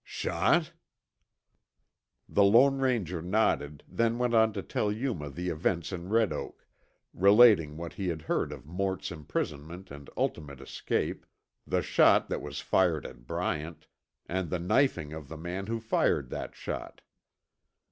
"Shot?" The Lone Ranger nodded, then went on to tell Yuma the events in Red Oak, relating what he had heard of Mort's imprisonment and ultimate escape, the shot that was fired at Bryant, and the knifing of the man who fired that shot.